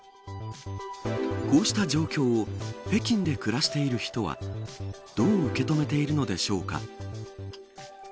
こうした状況を北京で暮らしている人はどう受け止めているのでしょうか。